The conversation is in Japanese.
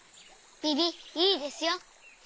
ビビいいですよ。